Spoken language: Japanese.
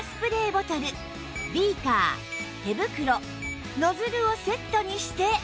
ボトルビーカー手袋ノズルをセットにして